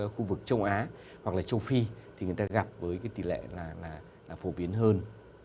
khu vực châu á hoặc là châu phi thì người ta gặp với tỷ lệ phổ biến hơn